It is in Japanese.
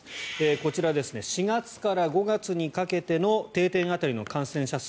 こちら、４月から５月にかけての定点当たりの感染者数。